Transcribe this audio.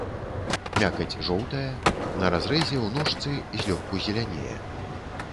Мякаць жоўтая, на разрэзе ў ножцы злёгку зелянее.